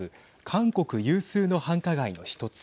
韓国有数の繁華街の１つ。